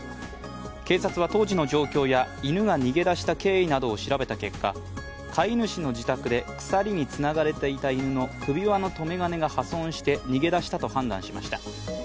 警察は当時の状況や犬が逃げ出した経緯などを調べた結果、飼い主の自宅で鎖につながれていた犬の首輪のとめ金が破損して、逃げ出したと判断しました。